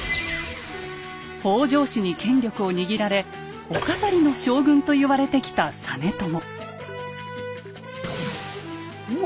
北条氏に権力を握られ「お飾りの将軍」と言われてきた実朝。